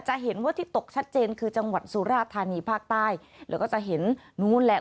จะเห็นว่าที่ตกชัดเจนคือจังหวัดสุราธานีภาคใต้แล้วก็จะเห็นนู้นแหละ